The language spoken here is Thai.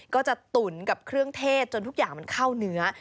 ตุ๋นกับเครื่องเทศจนทุกอย่างมันเข้าเนื้อ